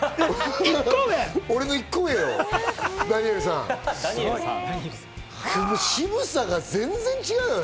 俺の１個上よ、ダニエルさん、渋さが全然違うよね。